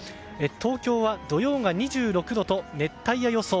東京は土曜が２６度と熱帯夜予想。